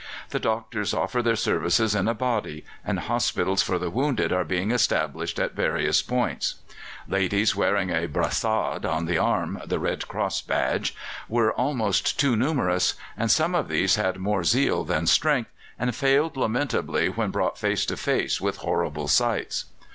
The doctors offer their services in a body, and hospitals for the wounded are being established at various points. Ladies wearing a brassard on the arm (the Red Cross badge) were almost too numerous; and some of these had more zeal than strength, and failed lamentably when brought face to face with horrible sights.